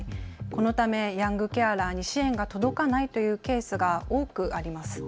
このためヤングケアラーに支援が届かないというケースが多くあります。